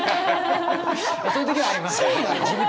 そういう時はありますね。